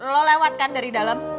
lo lewat kan dari dalam